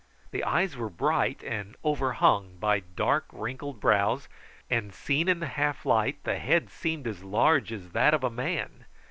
The eyes were bright and overhung by dark wrinkled brows, and, seen in the half light, the head seemed as large as that of a man.